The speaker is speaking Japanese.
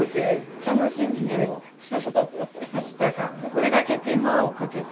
これだけ手間をかけた。